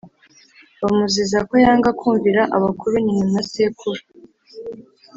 bamuziza ko yanga kumvira abakuru: nyina na sekuru.